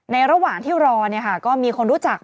ในระหว่างที่รอเนี่ยค่ะก็มีคนรู้จัก